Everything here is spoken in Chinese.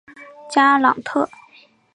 加朗特。